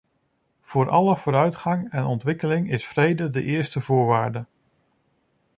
Voor alle vooruitgang en ontwikkeling is vrede de eerste voorwaarde.